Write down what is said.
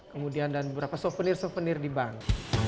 kemudian dan beberapa souvenir souvenir di bank